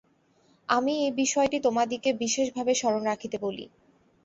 আমি এই বিষয়টি তোমাদিগকে বিশেষভাবে স্মরণ রাখিতে বলি।